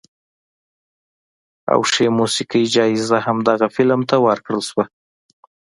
او ښې موسیقۍ جایزه هم دغه فلم ته ورکړل شوه.